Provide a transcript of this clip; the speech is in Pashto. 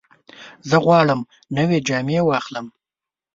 زه غواړم نوې جامې واخلم.